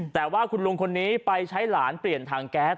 แต่ว่าคุณลุงคนนี้ไปใช้หลานเปลี่ยนถังแก๊ส